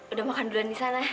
udah makan durian di sana